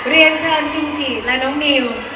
เรียนเชิญจุมจิและน้องนิว